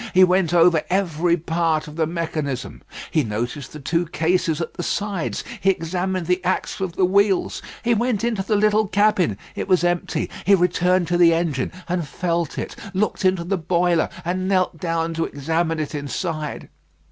He went over every part of the mechanism. He noticed the two cases at the sides. He examined the axle of the wheels. He went into the little cabin; it was empty. He returned to the engine, and felt it, looked into the boiler, and knelt down to examine it inside.